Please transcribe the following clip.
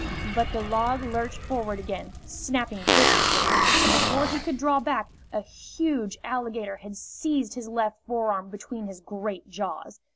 But the log lurched forward again, snapping viciously, and before he could draw back, a huge alligator had seized his left forearm between his great jaws.